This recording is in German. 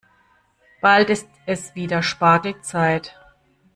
Bald ist es wieder Spargelzeit.